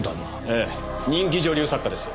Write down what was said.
ええ人気女流作家ですよ。